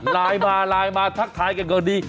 ไลน์มาทักทายกันก็ดี